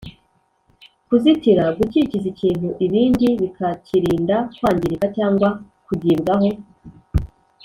kuzitira: gukikiza ikintu ibindi bikakirinda kwangirika cyangwa kugibwaho